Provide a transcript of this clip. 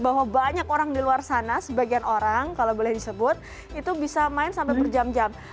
bahwa banyak orang di luar sana sebagian orang kalau boleh disebut itu bisa main sampai berjam jam